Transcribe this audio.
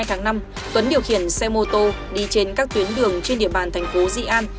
một mươi hai tháng năm tuấn điều khiển xe mô tô đi trên các tuyến đường trên địa bàn thành phố di an